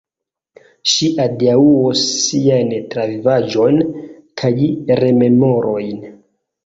Ŝi adiaŭos siajn travivaĵojn kaj rememorojn.